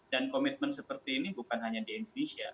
dan komitmen seperti ini bukan hanya di indonesia